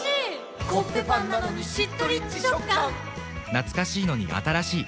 懐かしいのに新しい。